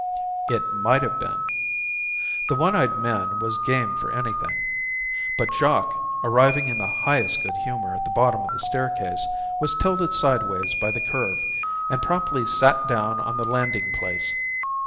It might have been. The one eyed man was game for anything. But Jock, arriving in the highest good humour at the bottom of the staircase, was tilted sideways by the curve, and promptly sat down on the landing place.